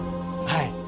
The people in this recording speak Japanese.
はい。